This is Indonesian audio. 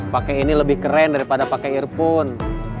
pakai ini lebih keren daripada pakai earphone